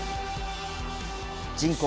人口